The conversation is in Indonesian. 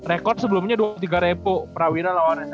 rekod sebelumnya dua puluh tiga prawira lawan sm